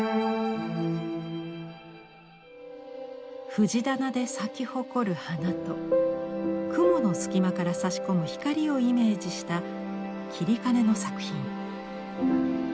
藤棚で咲き誇る花と雲の隙間からさし込む光をイメージした截金の作品。